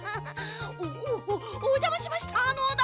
おおおじゃましましたのだ！